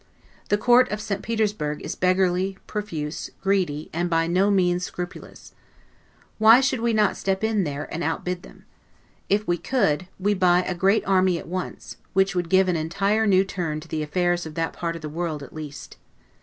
The Court of Petersburg is beggarly, profuse, greedy, and by no means scrupulous. Why should not we step in there, and out bid them? If we could, we buy a great army at once; which would give an entire new turn to the affairs of that part of the world at least.